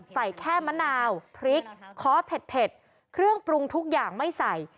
ใส่แค่มะนาวพริกขอเผ็ดเครื่องปรุงทุกอย่างไม่ใส่